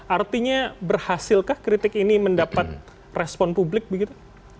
artinya berhasilkah kritik ini mendapat respon publik begitu